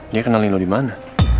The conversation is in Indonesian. dia kenal nino dimana